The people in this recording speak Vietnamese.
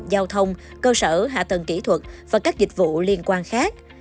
giao thông cơ sở hạ tầng kỹ thuật và các dịch vụ liên quan khác